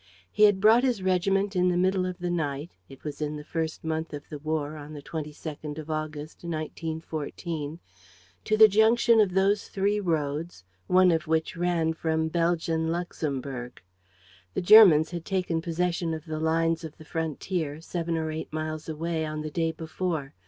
He had brought his regiment in the middle of the night it was in the first month of the war, on the 22nd of August, 1914 to the junction of those three roads one of which ran from Belgian Luxemburg. The Germans had taken possession of the lines of the frontier, seven or eight miles away, on the day before.